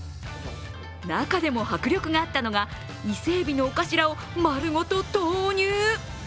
中でも迫力があったのが、イセエビの尾頭を丸ごと投入。